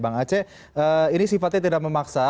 bang aceh ini sifatnya tidak memaksa